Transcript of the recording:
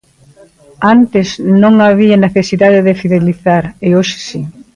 Antes non había necesidade de fidelizar, e hoxe si.